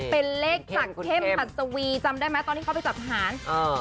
เป็นเลขศักดิ์เข้มหัดสวีจำได้ไหมตอนที่เขาไปจับหารเออ